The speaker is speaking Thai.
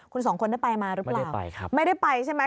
คุณสองคนได้ไปมาหรือเปล่าไปครับไม่ได้ไปใช่ไหม